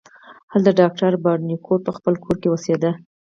هلته ډاکټر بارنیکوټ په خپل کور کې اوسیده.